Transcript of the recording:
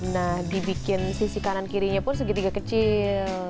nah dibikin sisi kanan kirinya pun segitiga kecil